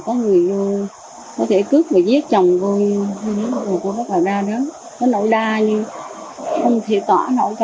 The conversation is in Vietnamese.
con trai của bà nga và ông thống